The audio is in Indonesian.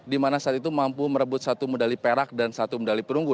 di mana saat itu mampu merebut satu medali perak dan satu medali perunggu